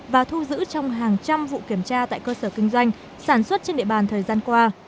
và thu giữ trong hàng trăm vụ kiểm tra tại cơ sở kinh doanh sản xuất trên địa bàn thời gian qua